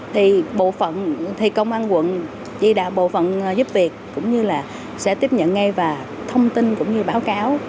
thì bộ phận thì công an quận chỉ đạo bộ phận giúp việc cũng như là sẽ tiếp nhận ngay và thông tin cũng như báo cáo